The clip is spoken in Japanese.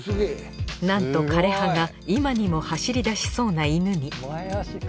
なんと枯れ葉が今にも走り出しそうなイヌに。